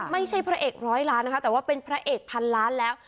ไม่ใช่พระเอกร้อยล้านนะคะแต่ว่าเป็นพระเอกพันล้านแล้ว